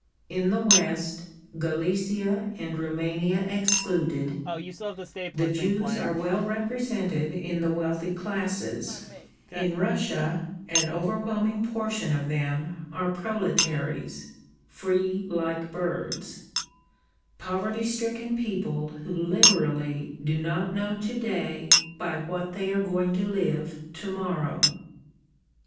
In the West, Galicia and Roumania excluded, the Jews are well represented in the wealthy classes; in Russia an overwhelming portion of them are proletaries, "free like birds," poverty stricken people who literally do not know to day by what they are going to live to morrow.